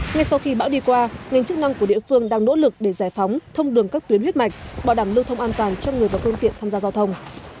ngay sau khi bão đi qua ngành chức năng của địa phương đang nỗ lực để giải phóng thông đường các tuyến huyết mạch bảo đảm lưu thông an toàn cho người và phương tiện tham gia giao thông